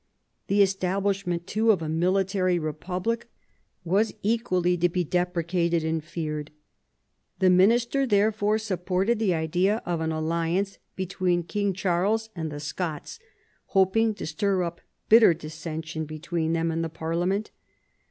The establishment, too, of a military republic was equally to be deprecated and feared. The minister therefore supported the idea of an alliance between King Charles and the Scots, hoping to stir up bitter dissen sion between them and the parliament.